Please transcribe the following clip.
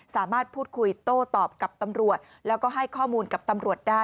สามารถพูดคุยโต้ตอบกับตำรวจแล้วก็ให้ข้อมูลกับตำรวจได้